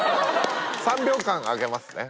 ３秒間あげますね。